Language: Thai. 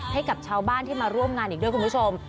ให้กับชาวบ้านที่มาร่วมงานอีกด้วยคุณผู้ชม